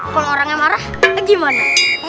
kalau orangnya marah gimana